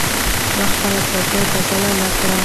ما خپله څوکۍ بدله نه کړه.